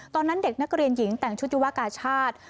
ตอนนั้นเด็กนักเรียนหญิงแต่งชุดยุวกาชาติ